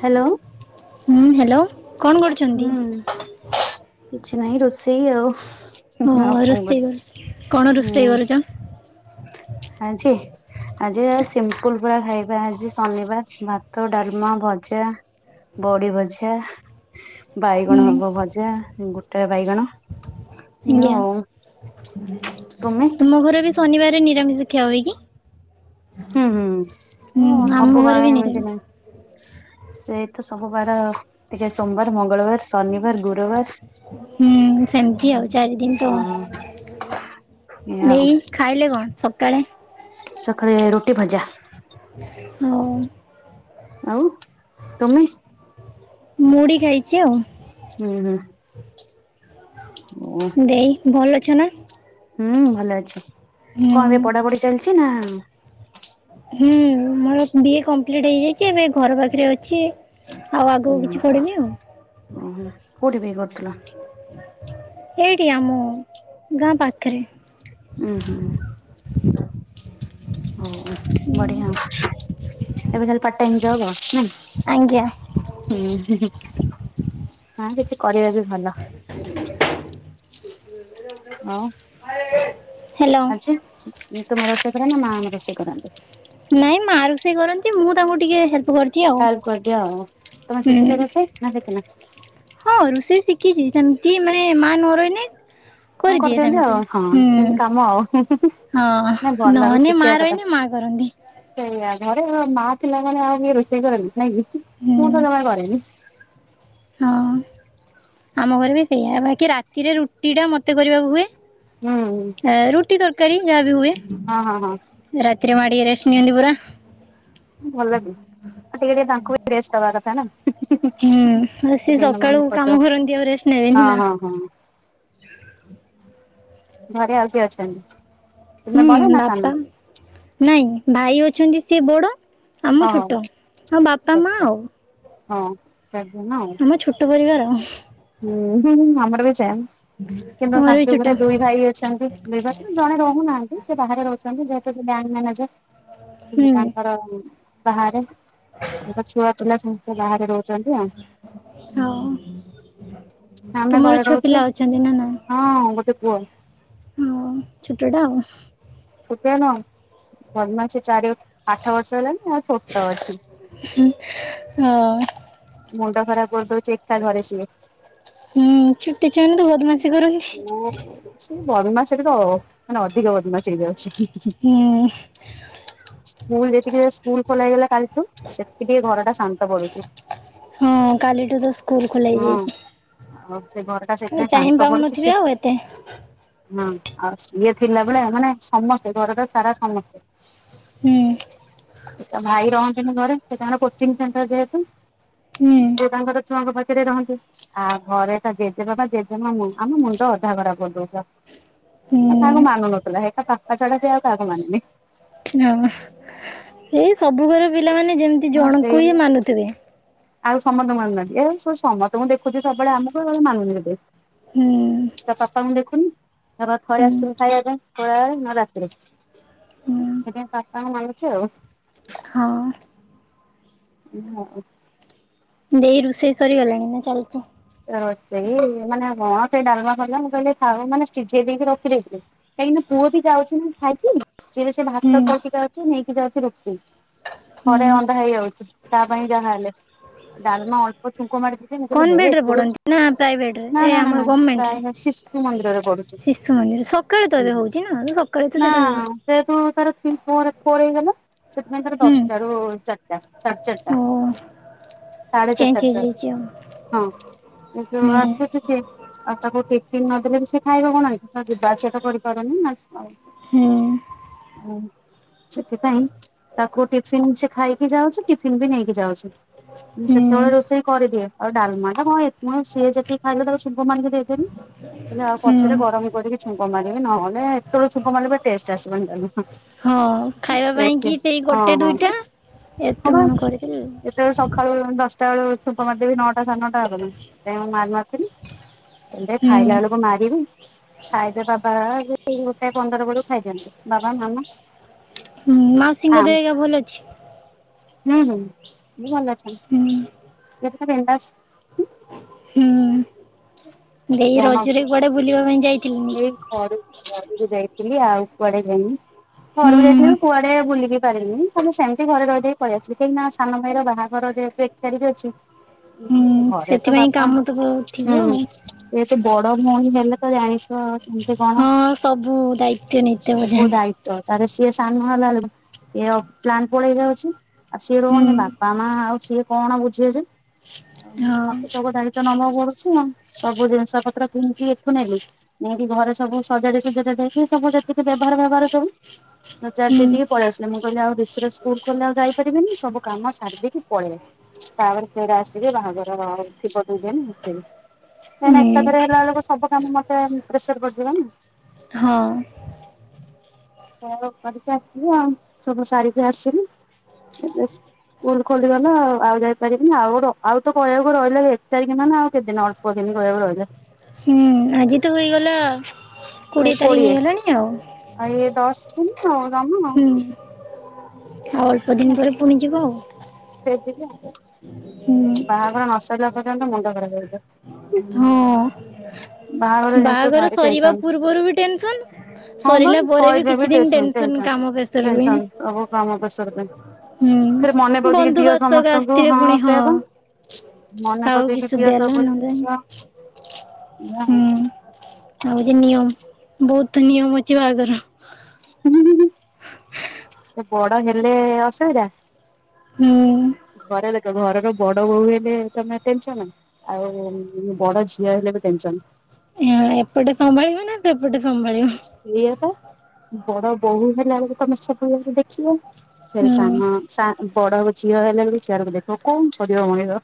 Hello. ହୁଁ hello କଣ କରୁଛନ୍ତି? ହୁଁ। କିଛି ନାହିଁ ରୋଷେଇ ଆଉ। ହଁ ଆଉ କଣ ରୋଷେଇ କରିବା? କରୁଛି। କଣ ରୋଷେଇ ହୁଁ। କରୁଛ? ଆଜି। ଆଜି ପା ସିମ୍ପଲ ପା ଖାଇବା ଆଜି ଶନିବାର। ଭାତ ଡାଲମା, ଭଜା। ବଡି ଭଜା। ହୁଁ ବାଇଗଣ ହବ ଭଜା ଗୋଟା ବାଇଗଣ। ଇଏ ଆଜ୍ଞା ଆଉ ତୁମେ ତମ ଘର ବି ଶନିବାର ନିରାମିଷ ଖିଆ ହୁଏ କି? ହୁଁ ହୁଁ ହୁଁ ମୁଁ ଆମ ସବୁ ଘରେ ବି ବାରେ ଏମିତି ନିରାମିଷ। ନାହିଁ। ସେ ତ ସବୁ ବାର ଟିକେ ସୋମବାର, ମଙ୍ଗଳବାର। ଶନିବାର, ଗୁରୁବାର ହୁଁ ସେମିତି ଆଉ ଚାରି ଦିନ ତ ହଁ। [unintelligible] ଏଇ ଖାଇଲେ କଣ ସକାଳେ? ସକାଳେ ରୋଟି ଭଜା। ହଁ। ଆଉ ତମେ? ମୁଢ଼ି ଖାଇଛି ଆଉ। ହୁଁ-ହୁଁ। ହୁଁ। ଦେଇ ଭଲ ଅଛ ନା? ହୁଁ ଭଲ ଅଛି। ହୁଁ କଣ ଏବେ ପଢ଼ାପଢ଼ି ଚାଲିଛି ନା? ହୁଁ ମୋର ବିଏ କମ୍ପଲିଟ ହେଇଯାଇଛି। ଏବେ ଘର ପାଖରେ ଅଛି। ଆଉ ଆଗକୁ ଉଁ କିଛି ପଢ଼ିନି ଆଉ। ଓହୋ କୋଉଠି ବିଏ କରୁଥିଲ? ଏଇଠି ଆମ ଗାଁ ପାଖରେ। ହୁଁ-ହୁଁ। ହଁ ବଢିଆ। ଏବେ ତାହେଲେ ପାର୍ଟ ଟାଇମ ଜବ ଆଉ ନାଇଁ। ଆଜ୍ଞା। ହୁଁ ହୁଁ ହଁ କିଛି କରିବା ବି ଭଲ। ଆଉ ହାଲୋ। ତମେ ରୋଷେଇ କର ନା ମା ଏକା ରୋଷେଇ କରନ୍ତି। ନାଇଁ ମା ରୋଷେଇ କରନ୍ତି ମୁଁ ତାଙ୍କୁ ଟିକେ ହେଲ୍ପ କରି- ହେଲ୍ପ କରିଦିଅ ଆଉ ତମେ ସିକିଚ ରୋଷେଇ ନାଶିକିନ? ହଁ ରୋଷେଇ ଶିକିଚି ସେମତି ମାନେ ମା ନରହିନେ ଆ କରିଦିଅନ୍ତି ଆଉ ହଁ ସେମିତି କାମ ଆଉ ହୁ ହୁ ହୁ। ହଁ ନହେନେ ମା ରହିନେ ମା କରନ୍ତି। ସେଇଆ ଘରେ ମା ଥିଲା ମାନେ ଆଉ କିଏ ରୋଷେଇ କରେନ୍ତି ନାଇଁକି ହୁଁ ମୁଁତ ଜମା କରେନି। ହଁ ଆମ ଘରେବି ସେଇଆ ବାକି ରାତିରେ ରୁଟିଟା ମତେ କରିବାକୁ ହୁଏ। ହୁଁ ଅ ରୋଟି ତରକାରୀ ଯାହାବି ହୁଏ। ହଁ-ହଁ-ହଁ। ରାତିରେ ମାଁ ଟିକେ ରେଷ୍ଟେ ନିଅନ୍ତି ପୁରା। ଭଲବି ଆଟିକେ ଟିକେ ତାଙ୍କୁବି ରେଷ୍ଟ ଦବା କଥାନା। ହୁଁ ଆଉ ସିଏ ସକାଳୁ କାମ କରନ୍ତି ଆଉ ରେଷ୍ଟ ନେବେନିନା। ଓ ହଁ। ଘରେ ଆଉ କିଏ ଅଛନ୍ତି? ତୁମେ ହୁଁ ବଡ ନା ସାନ ବାପା ନାଇଁ ଭାଇ ଅଛନ୍ତି ସିଏ ବଡ଼ ଆଉ ମୁଁ ଓହୋ ଛୋଟ। ଆଁ ବାପ୍ [unintelligible] ହଁ [unintelligible] ଆମ ଛୋଟ ପରିବାର ହୁଁ ହୁ ହୁ ଆମରବି ଜାମ୍ କିନ୍ତୁ ତୁମର ବି ଛୋଟ ଶାଶୁଘରେ ଦୁଇଭାଇ ଅଛନ୍ତି। ଦି ଭାଇରୁ ଜଣେ ରହୁନାହାନ୍ତି ସେବାହାରେ ରହୁଛନ୍ତି ଯେହେତୁ ସେବ୍ୟାଙ୍କ ମ୍ୟାନେଜର। ସିଏ ହୁଁ ତାଙ୍କର ବାହାରେ। ତାଙ୍କ ଛୁଆ ପିଲା ସମସ୍ତେ ବାହାରେ ରହୁଚନ୍ତି ଆଉ। ହଁ ଆମେ ଘରେ ତୁମର ଛୁଆ ରହୁଛୁ ପିଲା ଅଛନ୍ତିନା ନାଁ? ହଁ ଗୋଟେ ପୁଅ। ହଁ ଛୋଟଟା ଆଉ? ଛୋଟିଆ ନୁହଁ ଜନ୍ମ ସେଚାରି ଆଠ ବର୍ଷ ହେଲାଣିି ଆଉ ଛୋଟ ଅଛି। ହଁ। ମୁଣ୍ଡ ଖରାପ୍ କରିଦଉଚି ହୁଁ ଛୁଟ ଛୁଆ ମାନେତ ବହୁତ୍ ବଦମାସ୍ କରନ୍ତି। ଓହୋ ସେବଦମାସରେତ ଅ ମାନେ ଅଧିକ ବଦମାସ୍ ହେଇଯାଉଚି। ମୁକଇଲି ହୁଁ ଯେତିକିରେ ସ୍କୁଲ ଯେତିକିରେ ସ୍କୁଲ ଖୋଲା ହେଇଗଲା କାଲିଠୁ ସେତିକି ଏଘରଟା ଶାନ୍ତ ପଡ଼ୁଚି। ହଁ କାଲିଠୁତ ସ୍ ହଁ ଆଉ ସେଇ ଘରଟା ସେଥିପାଇଁ ଟାଇମ୍ ଶାନ୍ତ ପଡ଼ୁଚି ପାଉନଥିବେ ସେ ଆଉ ଏତେ ହଁ ଆଉ ସିଏ ଥିଲା ବେଳେ ମାନେ ସମସ୍ତେ ଘରଟା ସାରା ସମସ୍ତେ ହୁଁ। ତଭାଇ ରହନ୍ତିନି ଘରେ ସେତାଙ୍କର କୋଚିଂ ସେଣ୍ଟର ଯେହେତୁ ହୁଁ ସେତାଙ୍କର ଛୁଆଙ୍କ ପା ଖରେ ରହନ୍ତି ଆଉ ଘରେତ ଜେଜେବାବା ଜେଜେମା ମୁଁ ଆମ ମୁଣ୍ଡ ଅଧା ଖରାପ୍ କରିଦଉଥିଲା। ହୁଁ ଆଉ କାହାକୁ ମାନୁ ନଥିଲା ହେଇକା ପାପା ଛଡ଼ା ସେ ଆଉ କାହାକୁ ମାନେନି। ହଁପା ଏଇ ସବୁ ଘରେ ପିଲାମାନେ ଯେମି ହଁ ସେୟାବା। ଆଉ ସମସ୍ତଙ୍କୁ ମାନୁ ନାହାଁନ୍ତି ଏସମସ୍ତଙ୍କୁ ଦେଖୁଚି ସବୁବେଳେ ଆମକୁ ମାନୁନି ଏତେ। ହୁଁ ତା ପାପାଙ୍କୁ ଦେଖୁନି ତାପାପା ଥରେ ହୁଁ ଆସୁଚନ୍ତି ଖାଇବା ପାଇଁ ଖରାବେଳେ ନହେଲେ ରାତିରେ ହୁଁ ସେଥିପାଇଁ ପାପାଙ୍କୁ ମାରୁଚି ଆଉ। ହଁ। ହଁ ଅ ଦେଇ ରୋଷେଇ ସରିଗଲାଣି ନା ଚାଲିଚ଼ି? ରୋଷେଇ ମାନେ ହଁ ସେଇ ଡାଲମା ଫାଲମା ମୁଁ କହିଲି ଥାଉ ମାନେ ସିଝେଇ ଦେଇକି ରଖିଦେଇଥିଲି। କାହିଁକିନା ପୁଅ ବି ଯାଉଚି ନା ଖାଇକି, ସିଏ ସେ ହୁଁ ଭାତ ଖାଇକି ଯାଉଛି ନେଇକି ଯାଉଛି ରୁଟି। ହୁଁ ଥରେ ରନ୍ଧା ହେଇଯାଉଛି ତା ପାଇଁ ଯାହା ହେଲେ। ଡ଼ାଲମା ଅଳ୍ପ ଛୁଙ୍କ ମାରକି ଦିଏ, ମୁଁ କହିଲି ହେ କନଭେଣ୍ଟରେ ଏତେ ପଢ଼ନ୍ତି ନା ପ୍ରାଇଭେଟ୍ ରେ ନା ଏ ନା ନା ଆମ ନା ଗମେଣ୍ଟରେ, ପ୍ରାୟ ଶିଶୁ ମନ୍ଦିରରେ ପଢୁଛି। ଶିଶୁ ମନ୍ଦିର ସକାଳୁ ତ ଏବେ ହଉଛି। କିଏ ନା ସକାଳ ତ ନା ସେଟା ହୁଏ। ଯେହେତୁ ତାର ଥିନ ଫୋରେ ଫୋର ହେଇଗଲା। ସେଥିପାଇଁ ତାର ହୁଁ ଦଶଟାରୁ ଚାରିଟା, ସାଢେ ଓ ଚାରିଟା। ସାଢେ ଚେଞ୍ଜ ଚାରଟାରେ ସେ ହେଇଯାଇଛି ଆସୁଛି, ଆଉ ହଁ କିନ୍ତୁ ହୁଁ ଆସେ ସିଏ ଆଉ ତାକୁ ଟିଫିନ ନଦେଲେ ବି ସେ ଖାଇବ କଣ? ସେଇଠି ତ ଯିବା ଆସିବା କରିପାରୁନି ନା, ଆଉ ହୁଁ ସେଥିପାଇଁ ତାକୁ ଟିଫିନ ସେ ଖାଇକି ଯାଉଛି। ଟିଫନ୍ ବି ନେଇକି ଯାଉଛି, ମୁଁ ହୁଁ ସେତେବେଳେ ରୋଷେଇ କରିଦିଏ ଆଉ ଡାଲମା ଟା କଣ ହଁ ସିଏ ଯେତିକି ଖାଇଲା ତାକୁ ଛୁଙ୍କ ମାରିକି ଦେଇଦେଲି। ଗଲେ ଆଉ ହୁଁ ପଛରେ ଗରମ କରିକି ଛୁଙ୍କ ମାରିବି, ନହେଲେ ଏତେବେଳେ ଛୁଙ୍କ ମାରିଲେ ଟେଷ୍ଟ ଆସିବନି ଡାଲମା। ହଁ ଖାଇବା ପାଇଁ ସେଇଠି କି ସେଇ ହଁ ଗୋଟେ ହଁ ଦୁଇଟା ଏତେ ମଣ କରିକି ଏତେ ସକାଳୁ ଦଶଟା ବେଳେ ଛୁଙ୍କ ମାରିଦେବି ନଅଟା ସାଢେ ନଟା ହବନା ସେଥିପାଇଁ ମୁଁ ମାରି ନ ଥିଲି। ଏବେ ଖାଇଲା ବେଳକୁ ମାରିବି, ଖାଇବେ ବାବା ସେ ପନ୍ଦର ବଳୁ ଖାଇଦିଅନ୍ତି ବାବା ମାମା ହୁଁ ଆ ମାଉସୀଙ୍କ ଦେହ ଭଲ ଅଛି? ହୁଁ ହୁଁ, ସିଏ ଭଲ ଅଛନ୍ତି। ହୁଁ ସିଏ ତ ତ ବିନ୍ଦାସ। ହୁଁ ସେ ଦେଇ ଆମ ରଜରେ କୁଆଡେ ବୁଲିବା ପାଇଁ ଯାଇ ଏଇ ଘରକୁ ଘରକୁ ଯାଇଥିଲି ଆଉ କୁଆଡେ ଯାଇନି, ହୁଁ ଘରକୁ ଯାଇଥିଲୁ। କୁଆଡେ ବୁଲିକି ପାରିଲିନି ଖାଲି ସେମିତି ଘରେ ରହି ରହିକି ପଳି ଆସିଲି କାହିଁକିନା ସାନ ଭାଇର ବାହାଘର ଏବେ ଏକ ତାରିଖରେ ଅଛି। ହୁଁ ଘରେ ତ ସେଥିପାଇଁ ବାପା କାମ ତ ବହୁତ ଥିବ ଆଉ। ହୁଁ। ଏ ଏତେ ବଡ ଭଉଣୀ ହେଲେ ତ ଜାଣିଛ ଏମିତି କଣ ହଁ ସବୁ ଦାୟିତ୍ୱ ନେଇତେ ସବୁ ବୋଝାନ୍ତି। ଦାୟି ତ ତାରେ ସିଏ ସାନ ହେଲା ବେଳକୁ ସିଏ ପ୍ଲାନ୍ ପଳେଇ ଯାଉଛି, ଆଉ ସିଏ ହୁଁ ରହୁନି ବାପା ମା ଆଉ ସିଏ କଣ ବୁଝିବଯେ ଆଉ ହଁ ମତେ ସବୁ ଦାଇ ତ ନବାକୁ ପଢୁଛି ଆଉ, ମୁଁ ସବୁ ଜିନିଷ ପତ୍ର କିଣିକି ଏଠୁ ନେଲି। ନେଇକି ଘରେ ସବୁ ସଜାଡି ସଜାଡି ଦେଇକି ସବୁ ଯେତିକି ବ୍ୟବହାର ବ୍ୟବହାର ସବୁ, ସଜାଡ଼ି ହୁଁ ଦେଇ ଟିକେ ପଳେଇ ଆସିଲି। ମୁଁ କହିଲି ଆଉ ରିସିର ସ୍କୁଲ ଖୋଲିଲେ ଆଉ ଯାଇପାରିବିନି ସବୁ କାମ ସାରିଦେଇ କି ପଳେଇଆ। ତାପରେ ଫେର ଆସିବେ ବାହାଘର ଥିବ ଦୁଇ ଦିନ, ସେ କାହିଁ ନାଁ ହୁଁ ଏକାଥରେ ହେଲାବେଳକୁ ସବୁ କାମ ମତେ ପ୍ରେସର ପଡ଼ିଯିବନା। ହଁ। ସଇଆକୁ କରିକି ଆସିଲି ଆଉ ସବୁ ସାରିକି ଆସିଲି। ଏବେ ସ୍କୁଲ ଖୋଲିଗଲା ଆଉ ଯାଇପାରିବିନି ଆଉ ଆଉ ତ କହିବାକୁ ରହିଲା ଏକ ତାରିଖ ନା ଆଉ କେତ ଦିନ, ଅଳ୍ପ [unintelligible] ରହିଲେ। ହୁଁ ଆଜି ତ ହେଇଗଲା। କୋଡିଏ ତାରିଖ ହେଇଗଲାଣି ଆଉ ଆଉ ଇଏ ଦଶ ଦିନ ଆଉ ଜମା ହୁଁ। ଆଉ ଅଳ୍ପ ଦିନ ପରେ ପୁଣି ଯିବ ଆଉ। ହୁଁ ବାହାଘର ନ ସରିଲା ପର୍ଯ୍ୟନ୍ତ ମୁଣ୍ଡ ଖରାପ ହେଇଯିବ। ହଁ। ଜିନିଷ ବାହାଘର ଭାରି ସରିବା ଟେନସନ ପୂର୍ବରୁ ବି ଟେନସନ ସରିଲା ପରେ ବି କିଛି ଦିନ ଟେନସନ। ଟେନସନ କାମ ପ୍ରେସର ରୁହେ ଟେନସନ ସବୁ କାମ ପ୍ରେସର ପାଇଁ। ହୁଁ। ଫେରେ ମନେ ପକେଇ ଦିଏ ବନ୍ଧୁବାନ୍ଧବ ସମସ୍ତଙ୍କୁ ଆସିଥିବେ ହଁ ପୁଣି ସେୟାବା। ମନେ କାହାକୁ ପକେଇ କିଛି ଦିଏ ଦେଲା ସବୁ ନ ଦେଲା ଜିନିଷ। ହୁଁ ଆଉ ନିୟମ ବହୁତ ନିୟମ ଅଛି ବାହାଘର। ହୁଁ ହୁଁ ବଡ ହେଲେ ଅସୁବିଧା। ହୁଁ। ଘରେ ଦେଖ ଘରର ବଡ ବୋହୂ ହେଲେ ତମେ ଟେନସନ। ଆଉ ବଡ ଝିଅ ହେଲେ ବି ଟେନସନ। ଏପଟେ ସମ୍ଭାଳିବ ନା ସେପଟେ ସମ୍ଭାଳିବ। ଏୟାବା ବଡ ବୋହୂ ହେଲା ବେଳକୁ ତମେ ସବୁଆ ଦେଖିବ ଫେରେ ହୁଁ ସାନ। ବଡ ଝିଅ ହେଲା ବେଳକୁ ସିଆଡକୁ ଦେଖ କଣ କରିବ ମଣିଷ।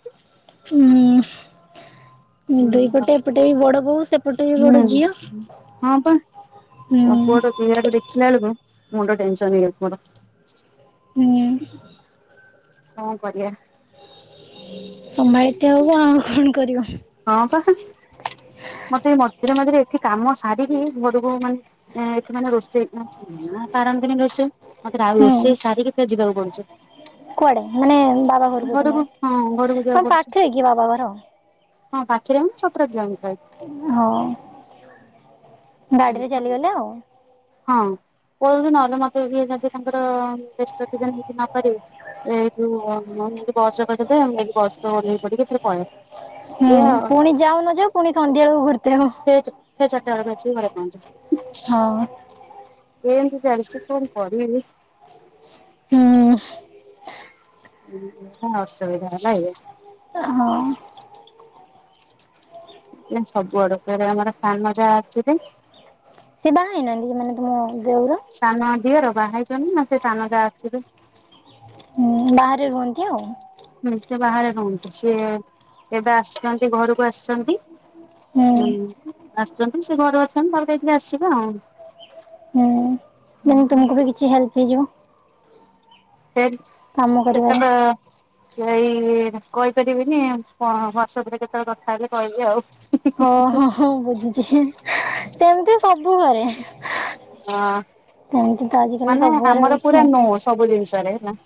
ହୁଁ ହୁଁ ଆଉ ଦୁଇପଟେ ଏପଟେ ବି ବଡ ବୋହୂ ସେପଟେ। ଏପଟେ ବି ହୁଁ ବଡ ଝିଅ ହଁ। ଏୟାକୁ ଦେଖିଲା ବେଳକୁ ମୁଣ୍ଡ ଟେନସନ ହେଇଯାଉଛି ମୋର। ହୁଁ। କଣ କରିବା। ସମ୍ଭାଳିତେ ହବ ଆଉ କଣ କରିବ। ହଁ ବା ମତେ ମଝିରେ ମଝିରେ ଏଠି କାମ ସାରିକି ଘରକୁ ମାନେ। ଏଥି ମାନେ ରୋଷେଇ ପାରନ୍ତିନି ରୋଷେଇ ମତରେ ଆଉ ହୁଁ। ରୋଷେଇ ସାରିକି ଫେରେ ଯିବାକୁ ପଡୁଛି। କୁଆଡେ ମାନେ ବାବା ଘରକୁ ହଁ ତୁମର ଘରକୁ ଯିବାକୁ ମ ପଡୁଛି ପାଖରେ କି ବାବା ଘର। ହଁ ପାଖିରେ ସତରେ କିଲୋ ମିଟର। ହଉ ଗାଡିରେ ଚାଲିଗଲେ ଆଉ। ହଁ କୁହନ୍ତୁ ନହେଲେ ମତେ ଯଦି ତାଙ୍କର ବ୍ୟସ୍ତ ଥିବେ ନେଇକି ନପାରିବେ। ଏଇ ଯଉ ନେଇକି ବସ୍ ବସେଇଦେବେ ମୁଁ ଯାଇକି ବସ୍ ଓଲେହି ପଡିକି ସେ ପଳେଇବେ। ହୁଁ ପୁଣି ଯାଉନ ଯେ ପୁଣି ସନ୍ଧ୍ୟା ବେଳକୁ ଘୁରୁତବ। ଫେରେ ଫେରେ ଚାରିଟା ବେଳକୁ ଆସିକି ଘରେ ପହଞ୍ଚେ। ହଁ। ଏମିତି ଚାଲିଛି କଣ କରିବି ହଁ ହଁ ଅସୁବିଧା ହେଲା ହଁ ସବୁ ଆଡୁ ଆମର ସାନ ଜା ଆସିବେ ସିଏ ବାହା ହେଇନାହାନ୍ତି ମାନେ ତମ ଦେଉର ସାନ ଦିଅର ବାହାହେଇଛନ୍ତି ନା ସେ ଜାଆ ଆସିବେ। ହୁଁ ବାହାରେ ରୁହନ୍ତି ଆଉ ନିଜେ ବାହାରେ ରହୁଛି ସିଏ ଏବେ ଆସିଛନ୍ତି ଘରକୁ ଆସିଛନ୍ତି। ହୁଁ ଆସୁଛନ୍ତି ସେ ଘରେ ଅଛନ୍ତି ଘର ଆଡେ ଆସିବେ ଆଉ ହୁଁ ତୁମକୁ ବି କିଛି ହେଲ୍ପ ହେଇଯିବ। ସେ କାମ ସେତକ କରିବାରେ। ଏଇ କହିପାରିବିନି କ୍ ବର୍ଷକ ଧରେ କେତେବେଳେ କଥା ହେଲେ କହିବି ଆଉ ହଁ ହଁ ହଁ ମୁ ବୁଝୁଛି ସେମିତି ସବୁ କରେ। ହଁ ମାନେ ସବୁ ଘରେ ଆମର ହଉଛି ପୁରା ଆଉ ନୋ ସବୁ ଜିନିଷରେ ହେଲା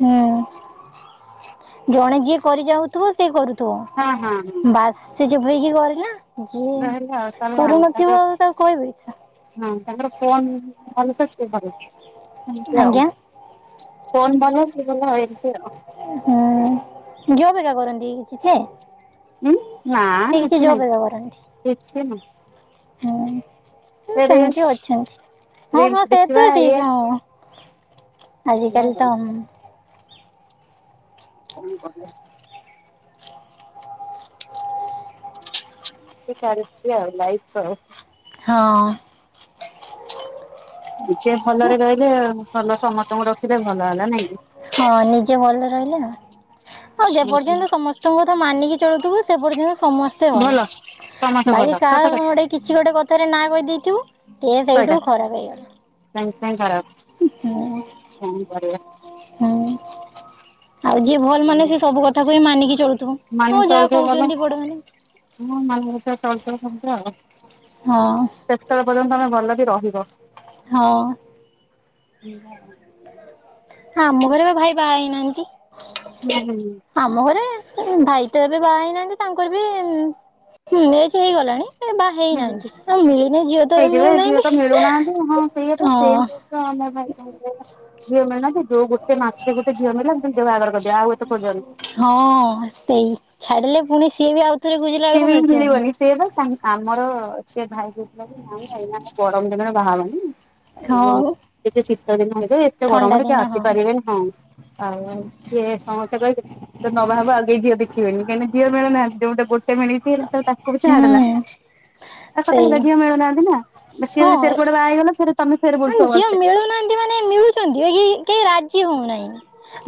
ହୁଁ ଜଣେ ଯିଏ କରି ଯାଉଥିବ ସିଏ କରୁ ହଁ ହଁ ହଁ ଥିବ ବାସ ଚୋପଇକି କରିଲ ଯିଏ ରହିଲା ଆଉ ସରିଲା ଆଉ ତାଙ୍କର କରୁନଥିବ ଆଉ ତାକୁ କହିବି ଇଚ୍ଛା ହଁ ତାଙ୍କର ଫୋନ ଭଲ ତ ସେ ଭଲ ଆଉ ଏମିତି ଆଉ ଆଜ୍ଞା ଫୋନ୍ ଭଲ ସେ ଭଲ ଏମିତି ଆଉ ହୁଁ ଘିଅ ଅ ବେିକା କରନ୍ତି କିଛି ସେ ଉଁ ନା ସେ କିଛି ଜବ୍ ନାହିଁ ଏକା କରନ୍ତି। କିଛି ନାହିଁ ହୁଁ ସେ ରିଲ୍ସ ସେମିତି ଅଛନ୍ତି ହଁ ରିଲ୍ସ ହଁ ଦେଖିବା ସେତ ଇଏ ଠିକ୍ ହଁ ଏଇଆ ଆଜିିକାଲି ଆଉ ତ ଅମ୍ ହଉ [unintelligible] ଚାଲିଛି ଆଉ ଲାଇଫ୍ ଆଉ ହଁ ନିଜେ ଭଲରେ ରହିଲେ ଭଲ ସମସ୍ତଙ୍କୁ ରଖିଲେ ଭଲ ହେଲା ନାଇଁ କି- ହଁ ନିଜେ ଭଲ ରହିଲେ ଆଉ ହଁ ଯେପର୍ଯ୍ୟନ୍ତ ସମସ୍ତଙ୍କ କଥା ମାନିକି ଚଳୁଥିବୁ ସେପର୍ଯ୍ୟନ୍ତ ସମସ୍ତେ ଭଲ ସମସ୍ତେ ଭାଇ ଭଲ ସତ କାହା କଥା ଏଡି କିଛି ଗୋଟେ କଥାରେ ନା କହିଦେଇଥିବୁ ସେ ସେଇଠୁ ଖରାପ ହେଇଗଲା ସାଙ୍ଗ ସାଙ୍ଗ କର ହଁ କରିବା ହଁ ଆଉ ଯିଏ ଭଲ ମାନେ ସେ ସବୁ କଥାକୁ ହିଁ ମାନିକି ଚଳୁଥିବ ମାନି ହଁ ଯାହା ଚଳୁଥିବ ଭଲ କହୁଛନ୍ତି ବଡ ମାନେ ହଁ ମଲ ଚାଳଚ ଖନ୍ତ୍ରଉ [unintelligible] ହଁ ସେତେଳେ ପର୍ଯ୍ୟନ୍ତ ଆମେ ଭଲ ବି ରହିବ ହଁ ହ [unintelligible] ଆମ ଘରେ ବି ଭାଇ ବାହା ହେଇନାହାନ୍ତି ହୁଁ ହୁଁ ଆମ ଘରେ ଭାଇ ତ ଏବେ ବାହା ହେଇନାହାନ୍ତି ତାଙ୍କର ବି ହୁ ଏଜ୍ ହେଇଗଲାଣି ଏ ବାହା ହୁଁ ହୁଁ। ହେଇନାହାନ୍ତି ଆଉ ମିଳୁନି ଝିଅ ତ ବି ହେଇଯିବେ ଝିଅ ତ ମିଳୁନାହାନ୍ତି ହଁ ସେଇଆ ମିଳୁନାହାଁନ୍ତି ତ ସେମ୍ ହଁ ଜିନିଷ ଆମ ଭାଇ [unintelligible] ଝିଅ ମିଳୁନାହାନ୍ତି ଏ ଯୋଉ ଗୋଟେ ମାସେ ଗୋଟେ ଝିଅ ମିଳିଲା ମୁଁ କହିଲି ଦେ ବାହାଘର କରିଦିଅ ଆଉ ଏତେ ଖୋଜନି ହଁ ସେଇ ଛାଡିଲେ ପୁଣି ସିଏ ବି ଆଉ ଥରେ ଖୋଜିଲା ବେଳକୁ ସିଏବି ମିଳୁଥିବନି। ମିଳିବନି ସେଇବା ତା ଆମର ସେ ଭାଇ କହୁଥିଲା ଯେ ନାଇଁ ଏମାନେ ଗରମ ଦିନର ବାହାହେବାନି ଏ ଯୋଉ ହଁ ଟିକେ ଶୀତ ଦିନ ହେଲେ ଏତେ ଥଣ୍ଡା ଗରମ ଟିକେ ଦିନ ହଁ ଆସିପାରିବେନି ହଁ ଆଉ ଏ ସମସ୍ତେ କହିଲେ ତ ନ ବାହା ହବୁ ଆଉ କେହି ଝିଅ ଦେଖିବେନି କାହିଁକି ନା ଝିଅ ମିଳନାହାନ୍ତିଯୋଉ ମୁ ତ ଗୋଟେ ଗୋଟେ ମିଳିଛି ତ ତାକୁ କହୁ ଛାଡେ ନା ହୁଁ ଆ ସତ ସେଇ ଯେବେ ଝିଅ ମିଳୁନାହାନ୍ତି ନା ସିଏ ହଁ ଯଦି ଫେର କୁଆଡ଼େ ବାହାହେଇ ଗଲା ଫେରେ ତମେ ଫେରେ ବୁଲ୍ ଥିବ ବର୍ସେ ଏ ମାନେ ମିଳୁଛନ୍ତି ଇଏ ଏ କେହି ରାଜି ହଉନାହିଁ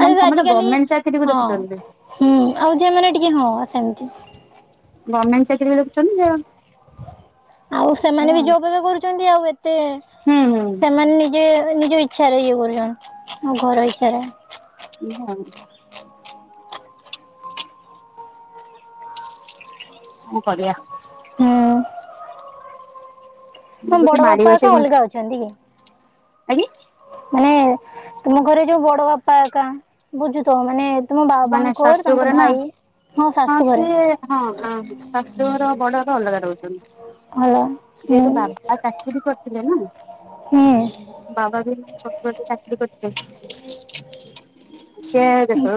ମାନେ ଆ ସମସ୍ତେ ଆଜିକାଲି ଗଭର୍ଣ୍ଣମେଣ୍ଟ ଚାକିରିକୁ ହଁ ଦେଖୁଛନ୍ତି। ହୁଁ ଆଉ ଝିଅ ମାନେ ଟିକେ ହଁ ସେମିତି ଗଭର୍ଣ୍ମେଣ୍ଟ ଚାକିରୀ ବି ଦେଖୁଛନ୍ତି ସେ ଆଉ ଆଉ ସେମାନେ ବି ଯୋଉପ କରୁଛନ୍ତି ଆଉ ଏତେ ହୁଁ। ସେମାନେ ନିଜେ ନିଜ ଇଚ୍ଛାରେ ଇଏ କରୁଚନ୍ତି ମୋ ଘର ଇଚ୍ଛାରେ। କୁହ? କଣ କରିବା? ହୁଁ। ମୁଁ ହଁ ବଡ ତତେ ବାପା ଏକା ମାଡିବସେ କ ଅଲଗା ଅଛନ୍ତି କି? ଆଜ୍ଞା? ମାନେ ତମ ଘରେ ଯୋଉ ବଡ ବାପା ଏକା ବୁଝୁଥବ ମାନେ ତୁମ ମାନେ ବାବାଙ୍କର ଶାଶୁ ତାଙ୍କ ଘରେ ନା ଭାଇ। ହଁ ଶାଶୁ ଘରେ ସିଏ ହଁ ହଁ ଶାଶୂ ଘର ବଡ ବାପା ଅଲଗା ରହୁଚନ୍ତି। ହଲୋ। ଯେହେତୁ ବାବା ଚାକିରିୀ କରିଥିଲେ ନା। ହୁଁ। ବାବା ବି ନା ଶଶୁର ଯେତେବେଳେ ଚାକରି କରିଥିଲେ ସେ ଦେଖ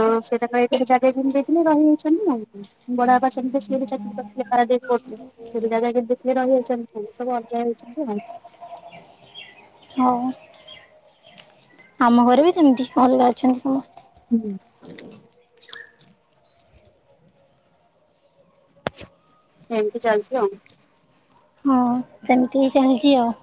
ଏକରେ ଜାଗା କିଣି ଦେଇଥିଲେ, ରହିଯାଇଚନ୍ତି ଆ ବଡବାପା ସେମିତି ସେ ବି ଚାକିରି କରିଥିଲେ ପାରାଦୀପ ପୋର୍ଟ ରେ। ସେଠି ଜାଗା ଦେଖିକି ରହିଯାଇଚନ୍ତି ଏବେ ସବୁ ଅଲଗା ହେଇଚନ୍ତି ଆଉ। ହଁ ଆମ ଘରେ ବି ସେମିତି ଅଲଗା ଅ ଛନ୍ତି ସମସ୍ତେ। ହୁଁ। ଏମିତି ଚାଲିଚି ଆଉ। ହଁ ସେମିତି ହେଇ ଚାଲିଚି ଆଉ।